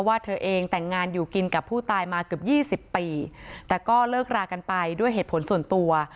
เธอเองแต่งงานอยู่กินกับผู้ตายมาเกือบยี่สิบปีแต่ก็เลิกรากันไปด้วยเหตุผลส่วนตัว